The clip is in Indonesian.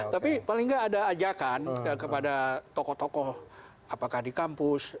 tapi paling nggak ada ajakan kepada tokoh tokoh apakah di kampus